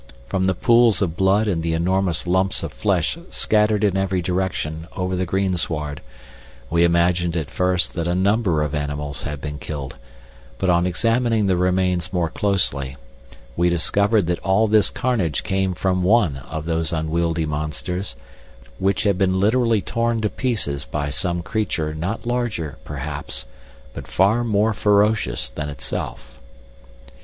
From the pools of blood and the enormous lumps of flesh scattered in every direction over the green sward we imagined at first that a number of animals had been killed, but on examining the remains more closely we discovered that all this carnage came from one of these unwieldy monsters, which had been literally torn to pieces by some creature not larger, perhaps, but far more ferocious, than itself.